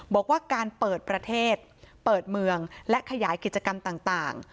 บอกว่าการเปิดประเทศเปิดเมืองและขยายกิจกรรมต่าง